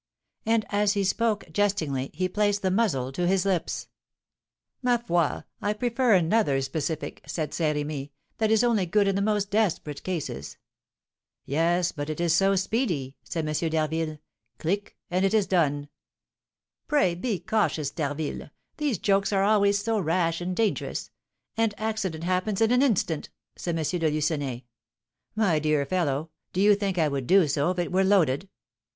And as he spoke, jestingly, he placed the muzzle to his lips. "Ma foi! I prefer another specific," said Saint Remy; "that is only good in the most desperate cases." "Yes, but it is so speedy," said M. d'Harville. "Click! and it is done!" "Pray be cautious, D'Harville; these jokes are always so rash and dangerous; and accident happens in an instant," said M. de Lucenay. "My dear fellow, do you think I would do so if it were loaded?"